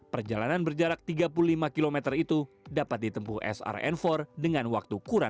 perjalanan berjarak tiga puluh lima km itu dapat ditempuh srn empat dengan waktu kurang